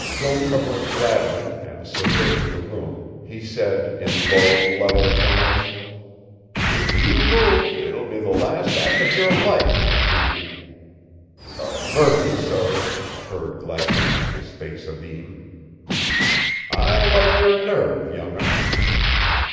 Still covering Gladwin and surveying the room he said in low, level tones: "If you move it'll be the last act of your life, McGinty." "Murphy, sorr," purred Gladwin, his face abeam. "I like your nerve, young un."